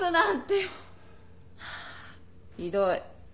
ひどい。